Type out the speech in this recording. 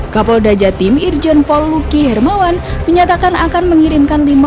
kapolda jatim irjen poluki hermawan menyatakan akan mengirimkan